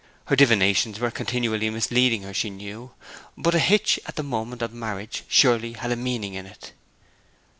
Her divinations were continually misleading her, she knew: but a hitch at the moment of marriage surely had a meaning in it.